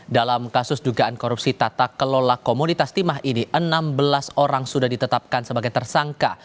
dalam kasus dugaan korupsi tata kelola komunitas timah ini enam belas orang sudah ditetapkan sebagai tersangka